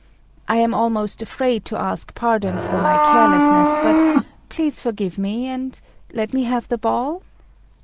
I am almost afraid to ask pardon for my carelessness; but please forgive me, and let me have the ball."